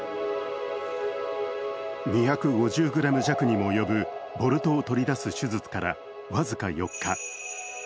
２５０ｇ弱にも及ぶボルトを取り出す手術から僅か４日。